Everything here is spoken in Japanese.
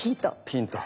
ピンと。